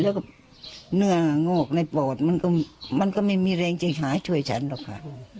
แล้วก็เนื้องอกในปอดมันก็ไม่มีแรงจะหาช่วยฉันหรอกค่ะ